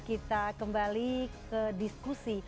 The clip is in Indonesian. kita kembali ke diskusi